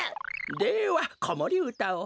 ではこもりうたを。